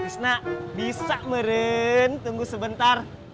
kamis nak bisa meren tunggu sebentar